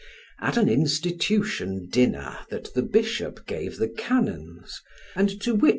At an institution dinner that the bishop gave the canons, and to which M.